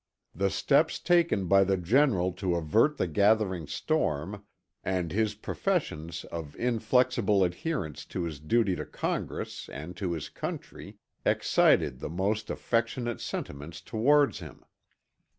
The steps taken by the general to avert the gathering storm, and his professions of inflexible adherence to his duty to Congress and to his country, excited the most affectionate sentiments towards him.